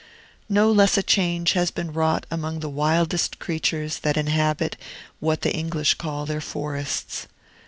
No less a change has been wrought among the wildest creatures that inhabit what the English call their forests.